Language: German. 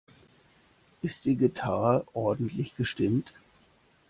Ist die Gitarre ordentlich gestimmt?